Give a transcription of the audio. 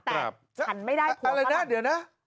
แต่ฉันไม่ได้ผัวฝรั่งอะไรน่าเดี๋ยวนะ